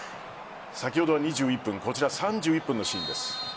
先ほど、２１分３１分のシーンです。